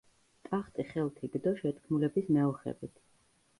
ტახტი ხელთ იგდო შეთქმულების მეოხებით.